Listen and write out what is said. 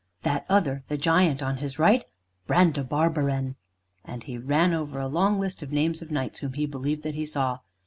That other, the giant on his right, Brandabarbaran." And he ran over a long list of names of knights whom he believed that he saw.